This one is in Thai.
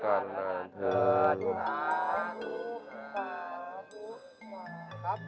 สลอดการณ์และนานเถิง